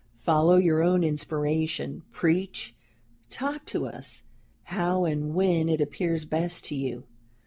Follow your own inspiration, preach, talk to us, how and when it appears best to you.